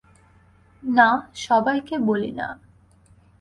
না, সবাইকে বলি না।